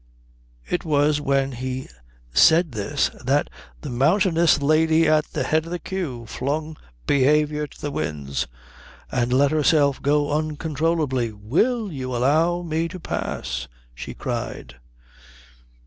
It was when he said this that the mountainous lady at the head of the queue flung behaviour to the winds and let herself go uncontrolledly. "Will you allow me to pass?" she cried.